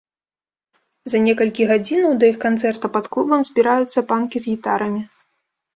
За некалькі гадзінаў да іх канцэрта пад клубам збіраюцца панкі з гітарамі.